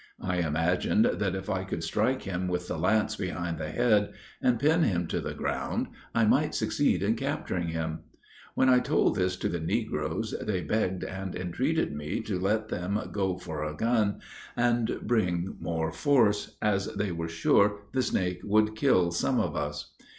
I imagined that if I could strike him with the lance behind the head, and pin him to the ground, I might succeed in capturing him. When I told this to the negroes, they begged and entreated me to let them go for a gun and bring more force, as they were sure the snake would kill some of us.